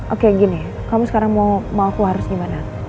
oke gini kamu sekarang mau aku harus gimana